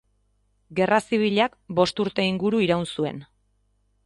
Gerra zibilak bost urte inguru iraun zuen.